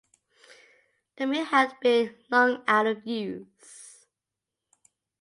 The mill had been long out of use.